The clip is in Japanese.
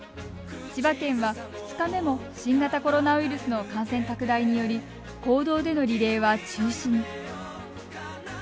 千葉県は２日目も新型コロナウイルスの感染拡大により公道でのリレーは中止に。